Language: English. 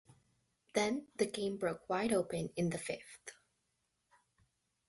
Then the game broke wide open in the fifth.